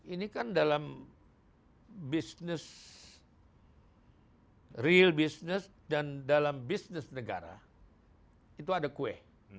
ini kan dalam bisnis real business dan dalam bisnis negara itu ada kue